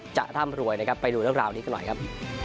ร่ำรวยนะครับไปดูเรื่องราวนี้กันหน่อยครับ